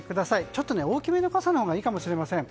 ちょっと大きめの傘のほうがいいかもしれません。